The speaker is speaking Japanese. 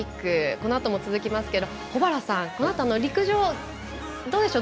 このあとも続きますけれども保原さん、陸上どうでしょう。